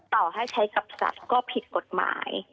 ต่อให้ใช้กับสัตว์ก็ผิดกฎหมาย